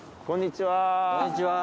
こんにちは。